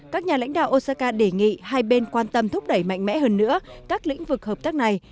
các nhà lãnh đạo osaka đề nghị hai bên quan tâm thúc đẩy mạnh mẽ hơn nữa các lĩnh vực hợp tác này